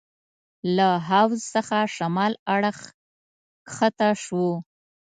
له حوض څخه شمال اړخ کښته شوو.